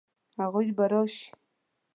هغوی به راشي؟